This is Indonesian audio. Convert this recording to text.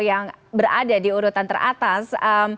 yang berada di urutan teratas